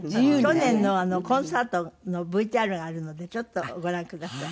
去年のコンサートのＶＴＲがあるのでちょっとご覧ください。